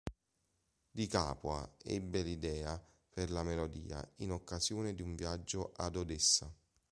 Di Capua ebbe l'idea per la melodia in occasione di un viaggio ad Odessa.